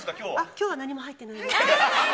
きょうは何も入ってないです。